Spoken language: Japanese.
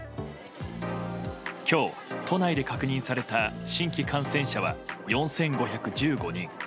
今日都内で確認された新規感染者は４５１５人。